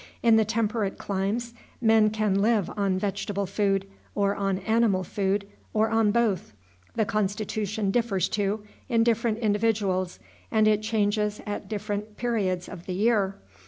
In the temperate climes men can live on vegetable food, or on animal food, or on both. The constitution differs, too, in different individuals, and it changes at different periods of the year.